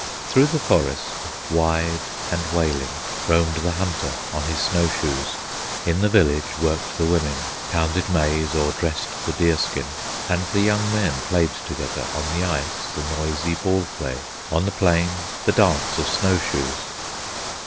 Through the forest, wide and wailing, Roamed the hunter on his snow shoes; In the village worked the women, Pounded maize, or dressed the deer skin; And the young men played together On the ice the noisy ball play, On the plain the dance of snow shoes.